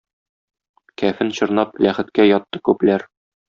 Кәфен чорнап, ләхеткә ятты күпләр.